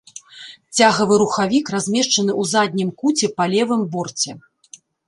Цягавы рухавік размешчаны ў заднім куце па левым борце.